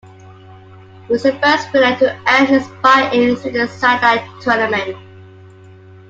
He was the first winner to earn his buy-in through a satellite tournament.